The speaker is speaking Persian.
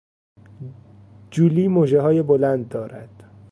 جولی مژههای بلند دارد.